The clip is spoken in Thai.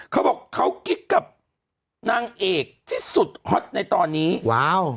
เขาบอกเขากิ๊กกับนางเอกที่สุดฮอตในตอนนี้ว้าว